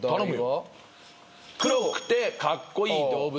「黒くてカッコイイ動物」？